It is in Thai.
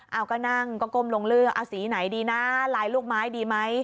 เอาก็นั่งก็ก้มลงเลือกเอาสีไหนดีนะลายลูกไม้ดีไหม